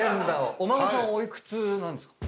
お孫さんお幾つなんですか？